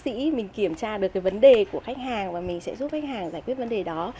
sĩ mình kiểm tra được cái vấn đề của khách hàng và mình sẽ giúp khách hàng giải quyết vấn đề đó